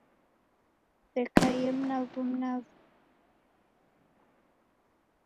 Kusekaiye mnavu mnavu.